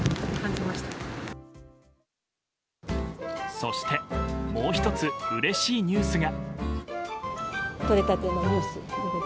そして、もう１つうれしいニュースが。